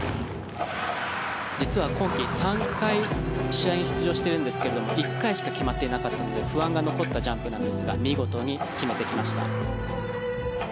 実は今季３回試合に出場しているんですが１回しか決まっていなかったので不安が残ったジャンプだったんですが見事に決めてきました。